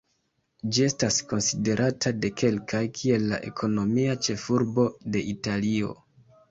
Ĝi estas konsiderata de kelkaj kiel la ekonomia ĉefurbo de Italio.